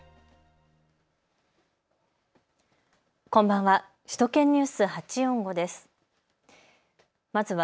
こんばんは。